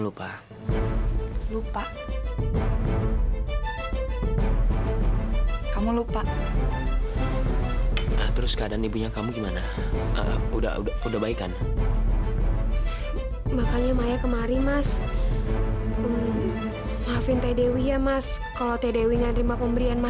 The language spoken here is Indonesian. sampai jumpa di video selanjutnya